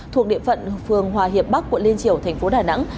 thuộc địa phận phường hòa hiệp bắc quận liên triểu tp đà nẵng